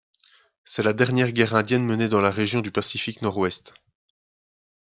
C'est la dernière guerre indienne menée dans la région du Pacifique Nord-Ouest.